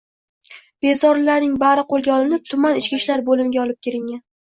Bezorilarning bari qo‘lga olinib, tuman ichki ishlar bo‘limiga olib kelingan